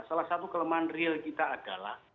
salah satu kelemahan real kita adalah